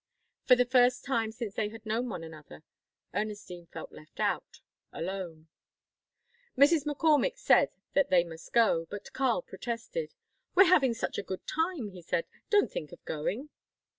For the first time since they had known one another, Ernestine felt left out, alone. Mrs. McCormick said that they must go, but Karl protested. "We're having such a good time," he said, "don't think of going."